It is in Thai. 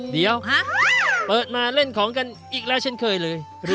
เดี๋ยวเปิดมาเล่นของกันอีกแล้วเช่นเคยเลย